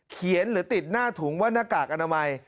หรือติดหน้าถุงว่าหน้ากากอนามัย